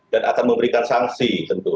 dan akan memberikan sanksi